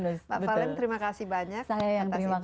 mbak valen terima kasih banyak atas insight nya